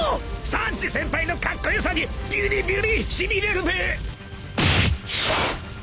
サンジ先輩のかっこよさにビリビリしびれるべ！］